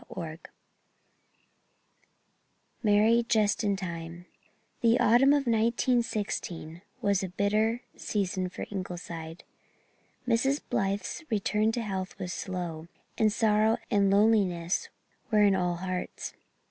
CHAPTER XXIV MARY IS JUST IN TIME The autumn of 1916 was a bitter season for Ingleside. Mrs. Blythe's return to health was slow, and sorrow and loneliness were in all hearts.